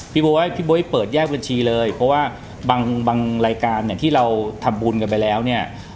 พี่บ๊วยเปิดแยกบัญชีเลยเพราะว่าบางรายการเนี่ยที่เราทำบุญกันไปแล้วเนี่ย